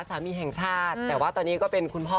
สามีแห่งชาติแต่ว่าตอนนี้ก็เป็นคุณพ่อ